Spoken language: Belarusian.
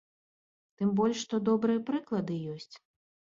Тым больш што добрыя прыклады ёсць.